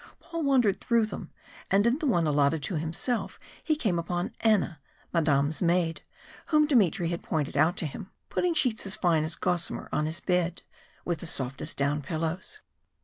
Paul wandered through them, and in the one allotted to himself he came upon Anna Madame's maid, whom Dmitry had pointed out to him putting sheets as fine as gossamer on his bed; with the softest down pillows.